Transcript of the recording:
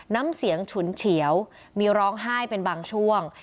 น้ำเสียงฉุนเฉียวมีร้องไห้เป็นบางช่วง